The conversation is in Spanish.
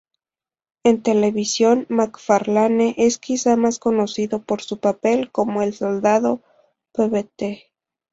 En televisión, Macfarlane es quizá más conocido por su papel como el soldado Pvt.